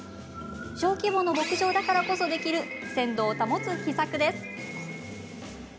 小規模の牧場だからこそできる鮮度を保つ秘策です。